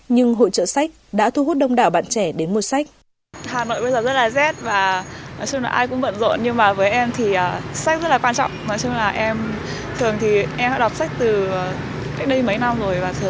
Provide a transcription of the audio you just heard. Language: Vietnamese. nhưng hội trợ sách đã thu hút đông đảo bạn trẻ đến mua sách